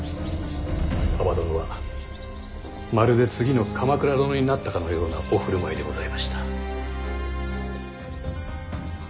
蒲殿はまるで次の鎌倉殿になったかのようなお振る舞いでございました。